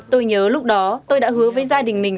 tôi nhớ lúc đó tôi đã hứa với gia đình mình